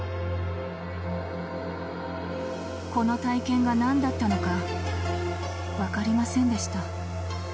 ［この体験が何だったのか分かりませんでした］